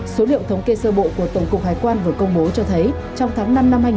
số liệu thống kê sơ bộ của tổng cục hải quan vừa công bố cho thấy trong tháng năm năm hai nghìn hai mươi